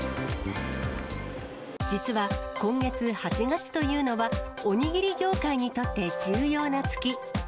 実は今月８月というのは、おにぎり業界にとって重要な月。